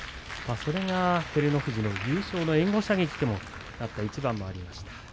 それが照ノ富士の援護射撃にもなった、一番もありました。